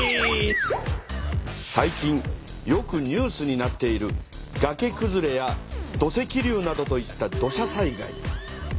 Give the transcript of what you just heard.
最近よくニュースになっているがけくずれや土石流などといった土砂災害。